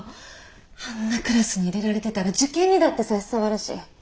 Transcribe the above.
あんなクラスに入れられてたら受験にだって差し障るし。